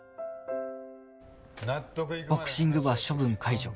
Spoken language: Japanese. ボクシング部は処分解除